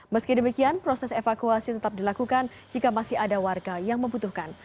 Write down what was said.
meski demikian proses evakuasi tetap dilakukan jika masih ada warga yang membutuhkan